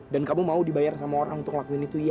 dan kamu mau dibayar sama orang untuk ngelakuin itu iya